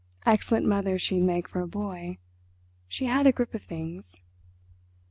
Excellent mother she'd make for a boy; she had a grip of things.